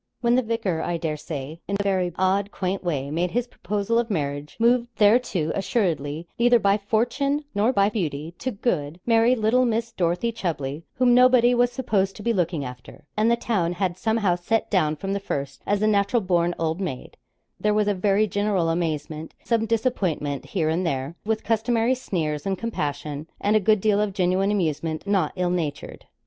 When the vicar, I dare say, in a very odd, quaint way, made his proposal of marriage, moved thereto assuredly, neither by fortune, nor by beauty, to good, merry, little Miss Dorothy Chubley, whom nobody was supposed to be looking after, and the town had, somehow, set down from the first as a natural born old maid there was a very general amazement; some disappointment here and there, with customary sneers and compassion, and a good deal of genuine amusement not ill natured.